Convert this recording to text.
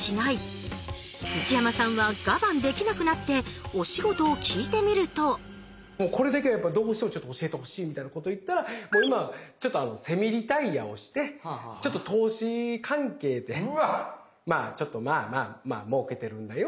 内山さんは我慢できなくなってお仕事を聞いてみるとこれだけはどうしても教えてほしいみたいなことを言ったら「今はセミリタイアをしてちょっと投資関係でまぁまぁまぁもうけてるんだよ」